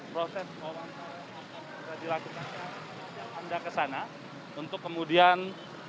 proses olah tkp yang sudah dilakukan anda ke sana untuk kemudian